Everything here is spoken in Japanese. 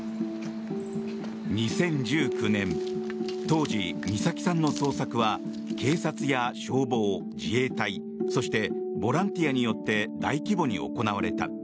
２０１９年当時、美咲さんの捜索は警察や消防、自衛隊そして、ボランティアによって大規模に行われた。